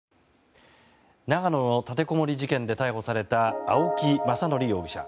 長野の立てこもり事件で逮捕された青木政憲容疑者。